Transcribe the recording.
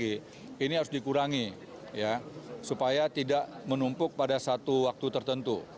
ini harus dikurangi supaya tidak menumpuk pada satu waktu tertentu